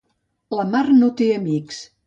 La mar no té amics.